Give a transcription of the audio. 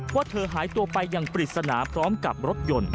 ว่าเธอหายตัวไปอย่างปริศนาพร้อมกับรถยนต์